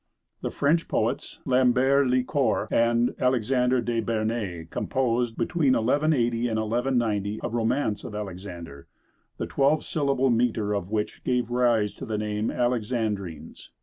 The French poets Lambert li Court and Alexandre de Bernay composed, between 1180 and 1190, a romance of Alexander, the twelve syllable metre of which gave rise to the name Alexandrines.